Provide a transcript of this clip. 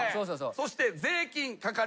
そして税金かかります。